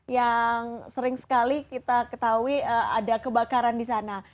yang sering sekali kita ketahui ada kebakaran di sana